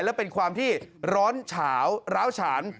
และเป็นความที่ร้อนเฉาร้าวฉาน